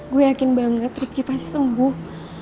gue yakin banget ripky pasti sembuh